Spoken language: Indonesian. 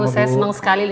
aduh saya senang sekali